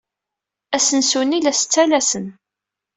Asensu-nni la as-ttalsen.